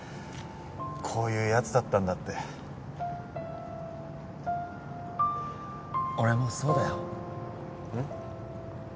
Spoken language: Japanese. こういうやつだったんだって俺もそうだようん？